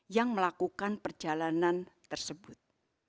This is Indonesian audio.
yang melakukan perjalanan tersebut